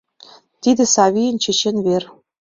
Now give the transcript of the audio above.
Тиде Савийын чечен вер.